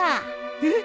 えっ！？